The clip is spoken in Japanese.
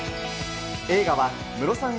映画はムロさん